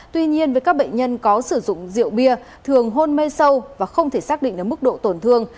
tuy nhiên với các bệnh nhân có sử dụng rượu bia thường hôn mê sâu và không thể xác định được mức độ tổn thương